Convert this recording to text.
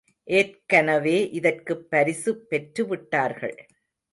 ஏற்கனவே இதற்குப் பரிசு பெற்று விட்டார்கள்.